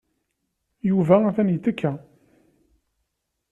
Yuba atan yettekka.